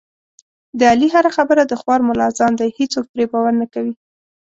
د علي هره خبره د خوار ملا اذان دی، هېڅوک پرې باور نه کوي.